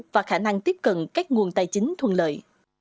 và khả năng tiếp cận các nguồn tài chính thuận lợi